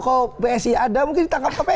kalau bsi ada mungkin ditangkap kpk